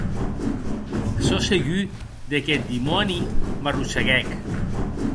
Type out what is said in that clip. Sò segur de qué eth dimòni m’arrosseguèc.